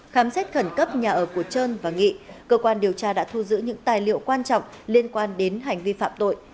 khám xét khẩn cấp nhà ở của trơn và nghị cơ quan điều tra đã thu giữ những tài liệu quan trọng liên quan đến hành vi phạm tội